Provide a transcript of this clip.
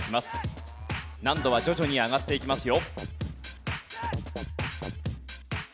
難度は徐々に上がっていきますよ。